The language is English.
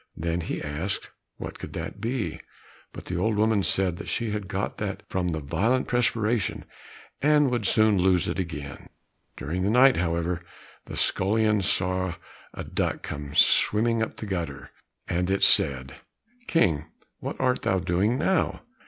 Then he asked what that could be, but the old woman said that she had got that from the violent perspiration, and would soon lose it again. During the night, however, the scullion saw a duck come swimming up the gutter, and it said, "King, what art thou doing now?